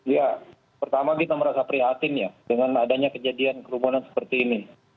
ya pertama kita merasa prihatin ya dengan adanya kejadian kerumunan seperti ini